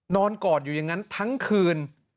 กอดอยู่อย่างนั้นทั้งคืน